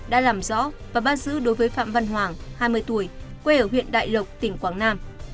đã làm rõ và bắt giữ đối với phạm văn hoàng hai mươi tuổi quê ở huyện đại lộc tỉnh quảng nam